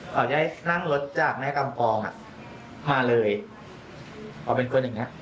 จะให้นั่งรถจากแม่กำปองมาเลยเอาเป็นคนอย่างนี้